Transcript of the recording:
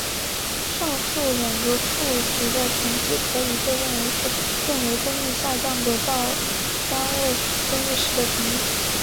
上述两个数值的乘积可以被认为是电流增益下降到单位增益时的频率。